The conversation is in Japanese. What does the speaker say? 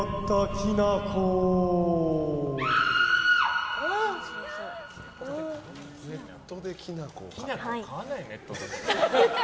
きな粉買わないよ、ネットで。